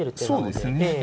そうですね。